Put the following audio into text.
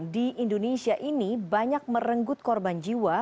di indonesia ini banyak merenggut korban jiwa